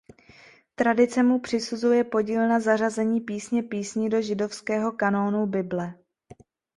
Tradice mu přisuzuje podíl na zařazení Písně písní do židovského kánonu Bible.